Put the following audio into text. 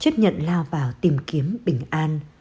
bây giờ chấp nhận lao vào tìm kiếm bình an